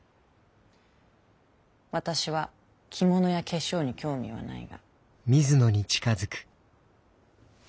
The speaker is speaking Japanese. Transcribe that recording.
私は着物や化粧に興味はないが。